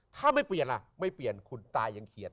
ถ้าไม่เปลี่ยนล่ะไม่เปลี่ยนคุณตายังเขียด